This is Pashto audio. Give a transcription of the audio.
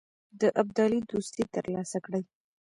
د ابدالي دوستي تر لاسه کړي.